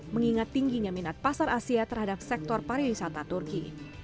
mengingat tingginya minat pasar asia terhadap sektor pariwisata turki